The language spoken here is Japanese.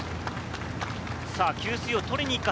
給水を取りに行くか？